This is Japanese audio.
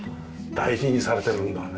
大事にされてるんだね。